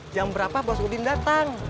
jam berapa bos udin datang